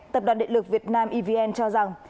tập đoàn địa lực việt nam evn cho rằng